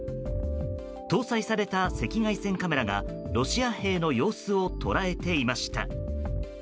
搭載された赤外線カメラがロシア兵の様子を捉えていました。